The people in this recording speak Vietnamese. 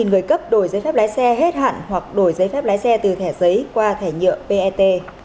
hơn năm trăm linh người cấp đổi giấy phép lái xe hết hạn hoặc đổi giấy phép lái xe từ thẻ giấy qua thẻ nhựa pet